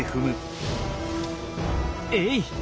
えい！